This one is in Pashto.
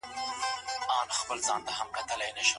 له کومي ميرمني سره بايد خاوند سفر وکړي؟